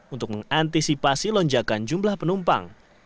untuk mengantisipasi lonjakan jumlah penumpang